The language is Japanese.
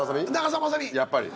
やっぱり。